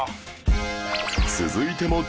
続いても